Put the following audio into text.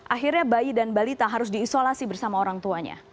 akhirnya bayi dan balita harus diisolasi bersama orang tuanya